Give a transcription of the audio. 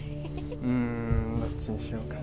うんどっちにしようかな